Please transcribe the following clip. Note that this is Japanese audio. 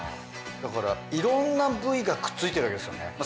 だからいろんな部位がくっついてるわけですよね。